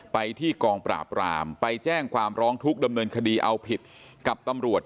ไปที่กองปราบรามไปแจ้งความร้องทุกข์ดำเนินคดีเอาผิดกับตำรวจ